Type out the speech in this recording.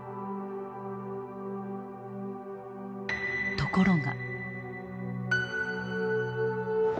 ところが。